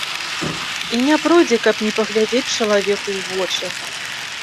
І не пройдзе, каб не паглядзець чалавеку ў вочы.